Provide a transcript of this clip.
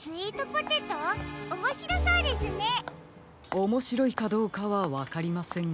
おもしろいかどうかはわかりませんが。